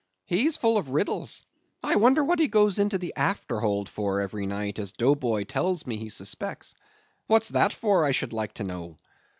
He's full of riddles; I wonder what he goes into the after hold for, every night, as Dough Boy tells me he suspects; what's that for, I should like to know?